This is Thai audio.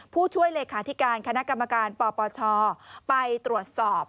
ผู้ช่วยเลขาธิการคณะกรรมการปปชไปตรวจสอบ